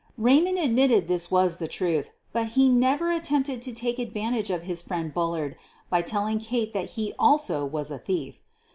Raymond admitted this was the truth. But he never attempted to take advantage of his friend Bullard by telling Kate that he also was a thief.